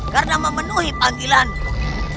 karena memenuhi panggilanku